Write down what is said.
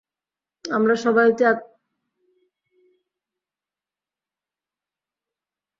আমরা সবাই চোদনার দল, হ্যাঁ কি না বল?